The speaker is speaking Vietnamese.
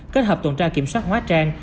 kết hợp tuần tra kiểm soát hóa trang